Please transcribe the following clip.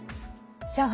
上海